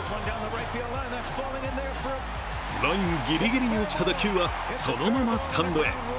ラインぎりぎりに落ちた打球はそのままスタンドへ。